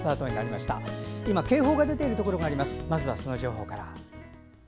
まずはその情報から。